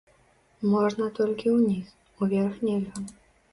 Можна толькі ўніз, уверх нельга.